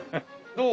どう？